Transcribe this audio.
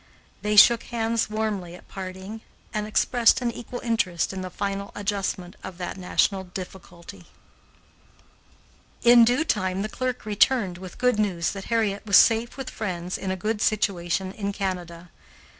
They shook hands warmly at parting and expressed an equal interest in the final adjustment of that national difficulty. In due time the clerk returned with the good news that Harriet was safe with friends in a good situation in Canada. Mr.